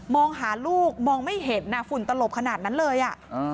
หาลูกมองไม่เห็นฝุ่นตลบขนาดนั้นเลยอ่ะ